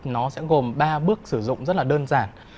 nó sẽ gồm ba bước sử dụng rất là đơn giản